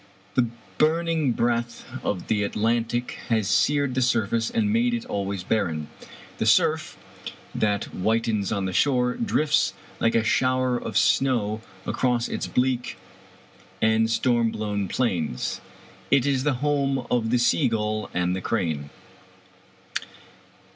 The burning breath of the Atlantic has seared the surface and made it always barren. The surf, that whiter 3 on the shore, drifts like a shower of snow across its bleak and storm blown plains. It is the home of the sea gull and the crane."